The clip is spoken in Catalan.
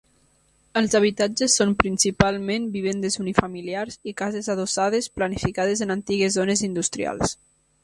Els habitatges són principalment vivendes unifamiliars i cases adossades planificades en antigues zones industrials.